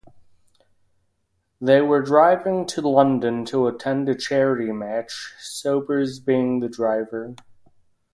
They were driving to London to attend a charity match, Sobers being the driver.